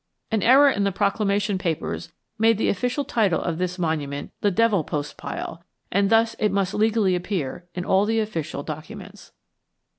An error in the proclamation papers made the official title of this monument the Devil Postpile, and thus it must legally appear in all official documents.